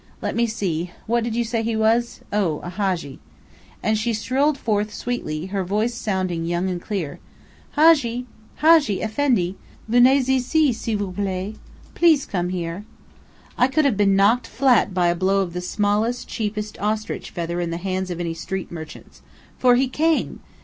Let me see, what did you say he was? Oh, a Hadji!" And she shrilled forth sweetly, her voice sounding young and clear, "Hadji! Hadji! Effendi! Venez ici, s'il vous plait. Please come here." I could have been knocked flat by a blow of the smallest, cheapest ostrich feather in the hands of any street merchant. For he came.